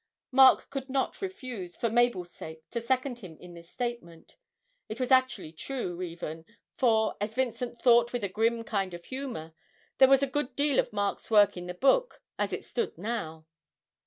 Mark could not refuse, for Mabel's sake, to second him in this statement it was actually true even, for as Vincent thought with a grim kind of humour there was a good deal of Mark's work in the book as it stood now.